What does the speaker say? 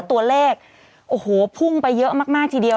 ตัวเลขโอ้โหพุ่งไปเยอะมากทีเดียว